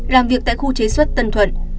làm việc tại khu chế xuất tân thuận